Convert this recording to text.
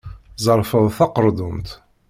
Ẓerfed taderkunt!